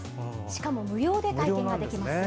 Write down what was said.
しかも無料で体験できます。